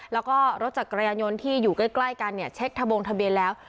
แล้วก็รถจักรยานยนต์ที่อยู่ใกล้กันเนี่ยเช็คทะบงทะเบียนแล้ว